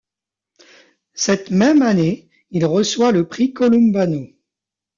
Cette même année, il reçoit le Prix Columbano.